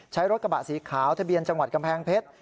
ใช้รถกระบะสีขาวทะเบียนจังหวัดกำแพงเพชร